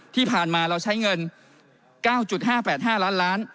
ที่ผ่านมาเราใช้เงิน๙๕๘๕ล้านล้าน